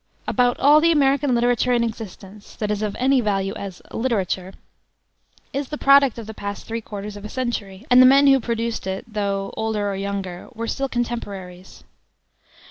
About all the American literature in existence, that is of any value as literature, is the product of the past three quarters of a century, and the men who produced it, though older or younger, were still contemporaries.